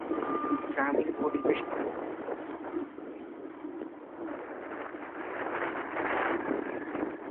গ্রামীণ পরিবেশে অবস্থিত এই শিক্ষা প্রতিষ্ঠানটি উপজেলার একটি উল্লেখযোগ্য কলেজ।